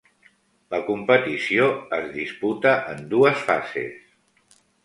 La competició es disputa en dues fases.